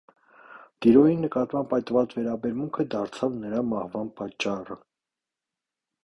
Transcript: Տիրոյի նկատմամբ այդ վատ վերաբերմունքը դարձավ նրա մահվան պատճառը։